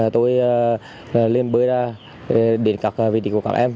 tôi liên bơi ra đến vị trí của các em